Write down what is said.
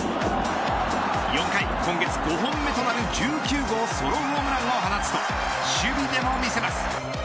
４回、今月５本目となる１９号ソロホームランを放つと守備でも見せます。